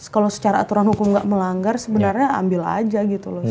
kalau secara aturan hukum nggak melanggar sebenarnya ambil aja gitu loh